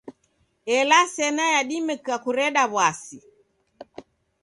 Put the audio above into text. Ela sena yadimika kureda w'asi.